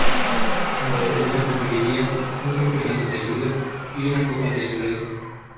En Barcelona conseguiría un campeonato de Liga y una Copa del Rey.